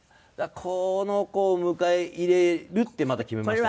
この子を迎え入れるってまた決めましたね。